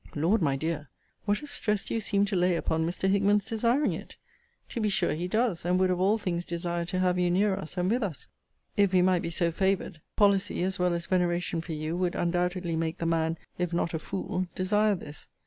Lord, my dear, what a stress do you seem to lay upon Mr. Hickman's desiring it! To be sure he does and would of all things desire to have you near us, and with us, if we might be so favoured policy, as well as veneration for you, would undoubtedly make the man, if not a fool, desire this.